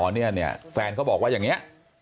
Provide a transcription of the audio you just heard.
เนี่ยแฟนเขาบอกว่าอย่างนี้